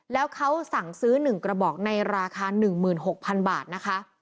แล้วเขาสั่งซื้อ๑กระบอกในราคา๑๖๐๐๐บาทนะคะ